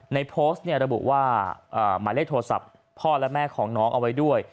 ในโพสต์ระบุว่าหมายเลขโทรศัพท์พ่อและแม่ของน้องเอาไว้ด้วย